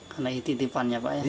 karena ini titipannya pak ya